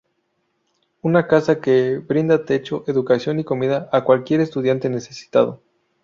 Una casa que brindaba techo, educación y comida a cualquier estudiante necesitado.